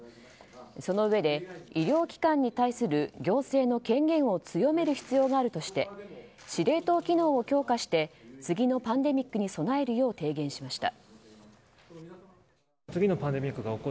そのうえで、医療機関に対する行政の権限を強める必要があるとして司令塔機能を強化して次のパンデミックに備えるよう提言しました。